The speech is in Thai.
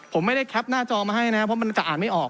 ผมไม่ได้แคปหน้าจอมาให้นะเพราะมันจะอ่านไม่ออก